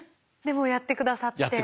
でもやって下さって。